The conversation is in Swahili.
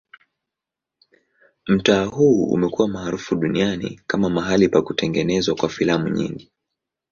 Mtaa huu umekuwa maarufu duniani kama mahali pa kutengenezwa kwa filamu nyingi.